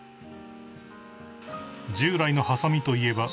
［従来のはさみといえば］